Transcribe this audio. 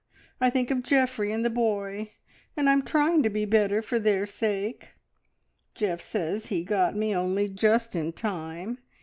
I think of Geoffrey and the boy, and I'm trying to be better for their sake. Geoff says he got me only just in time.